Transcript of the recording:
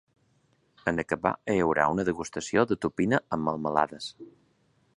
En acabar hi haurà una degustació de tupina amb melmelades.